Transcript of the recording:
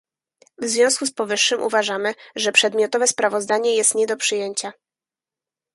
W związku z powyższym uważamy, że przedmiotowe sprawozdanie jest nie do przyjęcia